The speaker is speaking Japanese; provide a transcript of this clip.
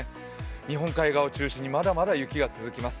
日本海側を中心にまだまだ雪が続きます。